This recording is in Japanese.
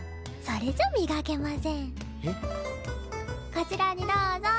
こちらにどうぞ。